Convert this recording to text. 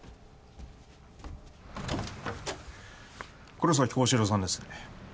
黒崎高志郎さんですね？